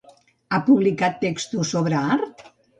Ha publicat textos sobre art?